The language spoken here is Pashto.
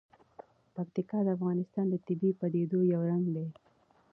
پکتیا د افغانستان د طبیعي پدیدو یو رنګ دی.